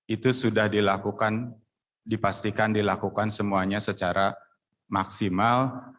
itu sudah dilakukan dipastikan dilakukan semuanya secara maksimal